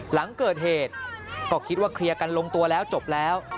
หลังเกิดเหตุก็คิดว่าเคลียร์กันลงตัวแล้วจบแล้ว